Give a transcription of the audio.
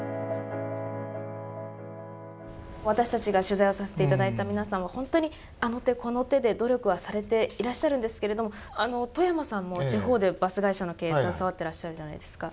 私たちが取材をさせていただいた皆さんは本当にあの手この手で努力はされていらっしゃるんですけど冨山さんも地方でバス会社の経営携わってらっしゃるじゃないですか。